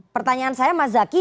pertanyaan saya mas zaky